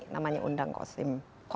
namanya undang kosim